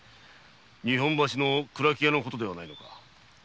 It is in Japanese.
日本橋の蔵木屋のことではないのか？